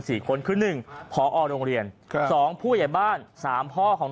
สี่คนคือหนึ่งพอโรงเรียนครับสองผู้ใหญ่บ้านสามพ่อของ